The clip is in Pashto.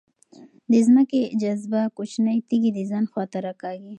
د ځمکې جاذبه کوچنۍ تیږې د ځان خواته راکاږي.